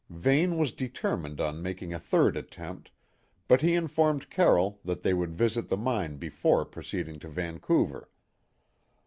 Vane was determined on making a third attempt, but he informed Carroll that they would visit the mine before proceeding to Vancouver.